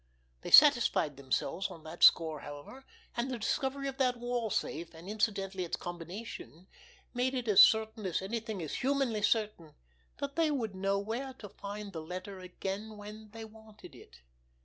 They satisfied themselves on that score, however; and the discovery of that wall safe, and, incidentally, its combination, made it as certain as anything is humanly certain that they would know where to find the letter again when they wanted it.